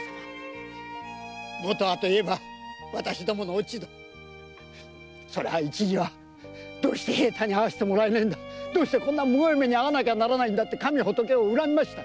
もとはといえば私どもの落ち度そりゃ一時は「どうして平太に会わせてくれないんだどうしてこんなむごい目にあうんだ」って神仏を恨みました。